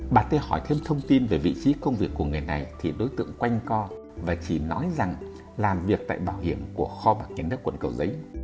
bà t hỏi thêm thông tin về vị trí công việc của người này thì đối tượng quanh co và chỉ nói rằng làm việc tại bảo hiểm của kho bạc nhà nước quận cầu giấy